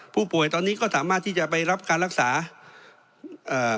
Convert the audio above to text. ผู้ป่วยตอนนี้ก็สามารถที่จะไปรับการรักษาเอ่อ